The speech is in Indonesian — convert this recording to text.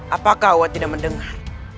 apakah awak tidak mendengar